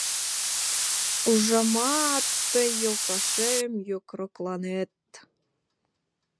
— Ужамат, тый, йолташем, йокрокланет.